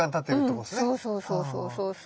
うんそうそうそうそうそうそう。